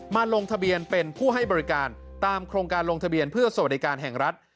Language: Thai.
ลงทะเบียนเป็นผู้ให้บริการตามโครงการลงทะเบียนเพื่อสวัสดิการแห่งรัฐ